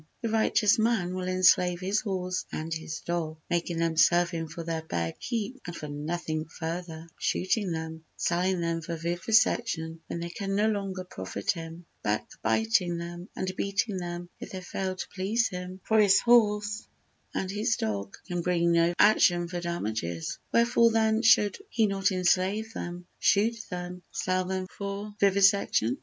The righteous man will enslave his horse and his dog, Making them serve him for their bare keep and for nothing further, Shooting them, selling them for vivisection when they can no longer profit him, Backbiting them and beating them if they fail to please him; For his horse and his dog can bring no action for damages, Wherefore, then, should he not enslave them, shoot them, sell them for vivisection?